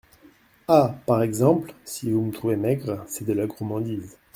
Ah ! par exemple ! si vous me trouvez maigre… c’est de la gourmandise !